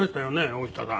大下さん。